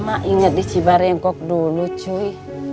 mak inget di cibarengkok dulu cuy